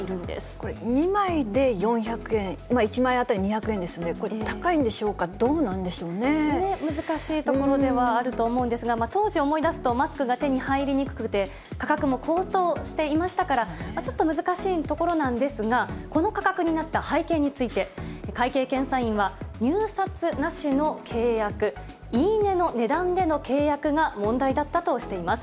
これ、２枚で４００円、１枚当たり２００円ですよね、これ、高いんでしょうか、どうな難しいところではあると思うんですが、当時を思い出すと、マスクが手に入りにくくて、価格も高騰していましたから、ちょっと難しいところなんですが、この価格になった背景について、会計検査院は、入札なしの契約、言い値の値段での契約が問題だったとしています。